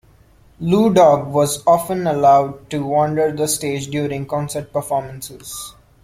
Lou Dog was often allowed to wander the stage during concert performances.